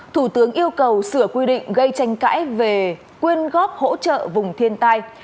thủ tướng yêu cầu sửa quy định gây tranh cãi về quyên góp hỗ trợ vùng thiên tai